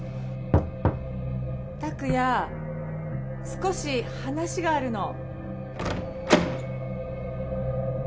少し話があるの。